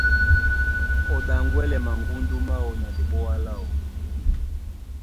Ó ɗaŋgwɛlɛ maŋgúndú máō na diɓoa láō.